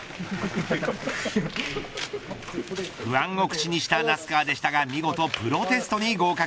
不安を口にした那須川でしたが見事プロステストに合格。